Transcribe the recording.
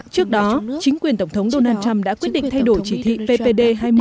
trước đó chính quyền tổng thống donald trump đã quyết định thay đổi chỉ thị ppd hai mươi